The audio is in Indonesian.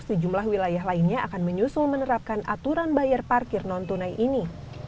sejumlah wilayah lainnya akan menyusul menerapkan aturan bayar parkir non tunai ini